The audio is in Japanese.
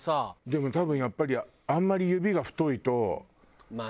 でも多分やっぱりあんまり指が太いと繊細な。